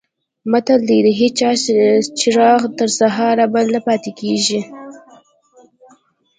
متل دی: د هېچا چراغ تر سهاره بل نه پاتې کېږي.